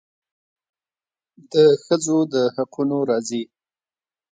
د ښځو د حقونو راځي.